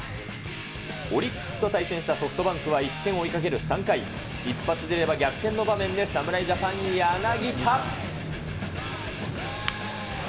オリックスと対戦したソフトバンクは１点を追いかける３回、一発出れば逆転の場面で、侍ジャパン、柳田。